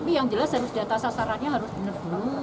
tapi yang jelas harus jatah sasarannya harus benar dulu